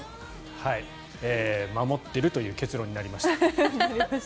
守ってるという結論になりました。